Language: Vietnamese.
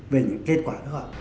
về những kết quả đó